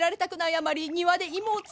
あまり庭で芋を作るほど。